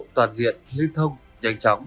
toàn diện linh thông nhanh chóng